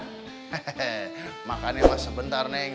hehehe makan ya abah sebentar neng